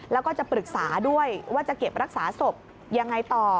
แล้วก็จะปรึกษาด้วยว่าจะเก็บรักษาศพยังไงต่อ